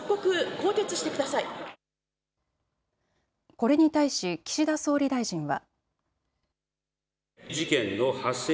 これに対し岸田総理大臣は。